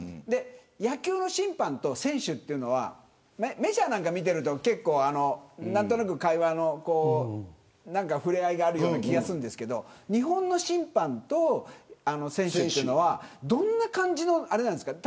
野球の審判と選手というのはメジャーを見ていると何となく会話の触れ合いがあるような気がするんだけど日本の審判と選手というのはどんな感じのあれなんですか。